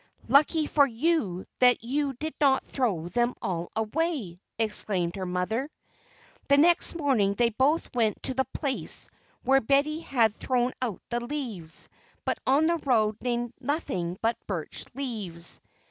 "Lucky for you that you did not throw them all away!" exclaimed her mother. The next morning they both went to the place where Betty had thrown out the leaves, but on the road lay nothing but birch leaves.